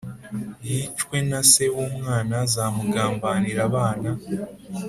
Yicwe na se w umwana azamugambanira abana